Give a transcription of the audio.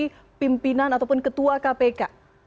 dari pimpinan ataupun ketua kpk